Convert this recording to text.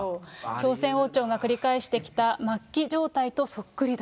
朝鮮王朝が繰り返してきて末期状態とそっくりだと。